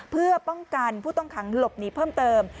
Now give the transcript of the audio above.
เพื่อป้องกันผู้ต้องขังหลบหนีเพิ่มเติม